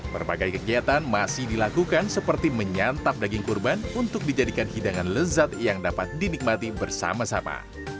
berbagai kegiatan masih dilakukan seperti menyantap daging kurban untuk dijadikan hidangan lezat yang dapat dinikmati bersama sama